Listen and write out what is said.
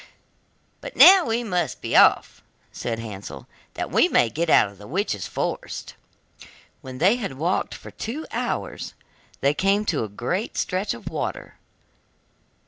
'But now we must be off,' said Hansel, 'that we may get out of the witch's forest.' When they had walked for two hours, they came to a great stretch of water.